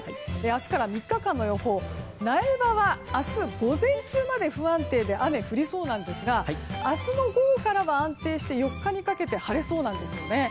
明日から３日間の予報ですが苗場は明日、午前中まで不安定で雨降りそうなんですが明日の午後からは安定して４日にかけて晴れそうなんですよね。